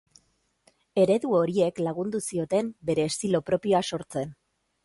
Eredu horiek lagundu zioten bere estilo propioa sortzen.